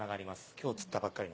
今日釣ったばっかりの。